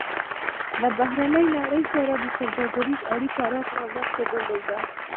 له بهرنۍ نړۍ سره سوداګریزه راکړه ورکړه درلوده.